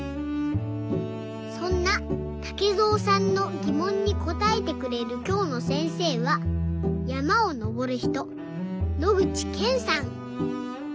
そんなたけぞうさんのぎもんにこたえてくれるきょうのせんせいはやまをのぼるひと野口健さん。